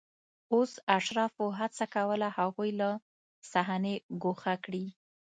اوس اشرافو هڅه کوله هغوی له صحنې ګوښه کړي